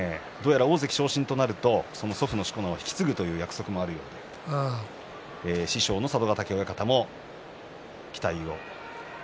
大関昇進ということになると祖父のしこ名を引き継ぐという約束もあるようで師匠の佐渡ヶ嶽親方も期待をしています。